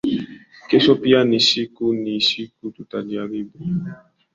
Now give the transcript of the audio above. Kesho pia ni siku tutajaribu